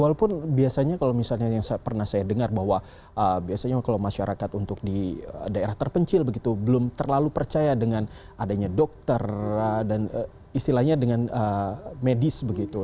walaupun biasanya kalau misalnya yang pernah saya dengar bahwa biasanya kalau masyarakat untuk di daerah terpencil begitu belum terlalu percaya dengan adanya dokter dan istilahnya dengan medis begitu